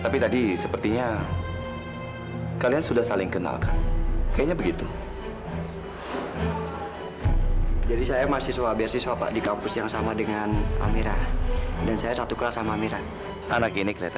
pasti suatu saat kamu akan sukses